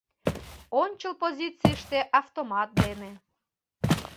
ОНЧЫЛ ПОЗИЦИЙЫШТЕ АВТОМАТ ДЕНЕ